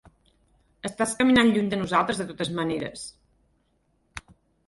Estàs caminant lluny de nosaltres de totes maneres...